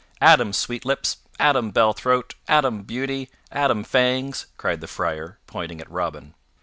"At 'em, Sweet Lips! At 'em, Bell Throat! At 'em, Beauty! At 'em, Fangs!" cried the Friar, pointing at Robin.